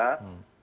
dinas yang terkait